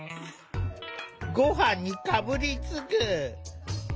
ごはんにかぶりつく！